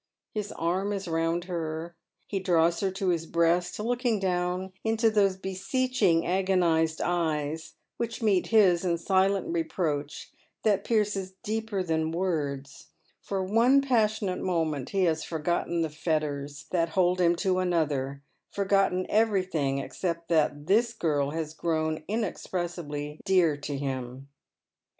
His arm is round her, he draws her to his breast, looking down into those beseeching agonized eyes, which meet his in silent reproach that pierces deeper than words. For one passionate moment he has forgotten the fetters that hold him to another, forgotten everything except that this girl has grown inexpres Eibly dear to him.